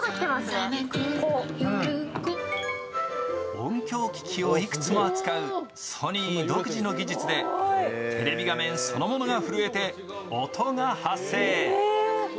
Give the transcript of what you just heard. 音響機器をいくつも扱うソニー独自の技術でテレビ画面そのものが震えて音が発生。